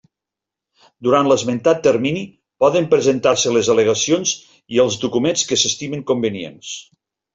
Durant l'esmentat termini poden presentar-se les al·legacions i els documents que s'estimen convenients.